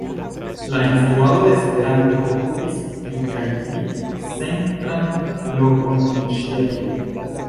La instruado de Esperanto okupis pli kaj pli centran lokon en ŝia vivo.